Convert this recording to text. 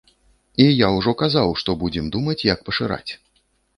І я ўжо казаў, што будзем думаць, як пашыраць.